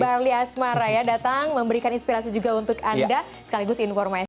barli asmara ya datang memberikan inspirasi juga untuk anda sekaligus informasi